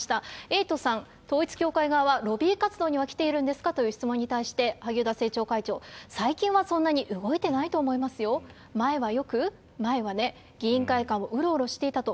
エイトさん、統一教会側はロビー活動には来ているんですか？という質問に対して、萩生田政調会長、最近はそんなに動いてないと思いますよ、前はよく、前はね、議員会館をうろうろしていたと？